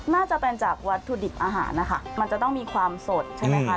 น่าจะเป็นจากวัตถุดิบอาหารนะคะมันจะต้องมีความสดใช่ไหมคะ